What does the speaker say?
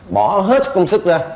bỏ hết công sức ra